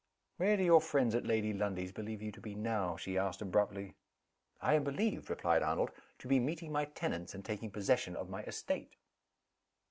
"Where do your friends at Lady Lundie's believe you to be now?" she asked, abruptly. "I am believed," replied Arnold, "to be meeting my tenants, and taking possession of my estate."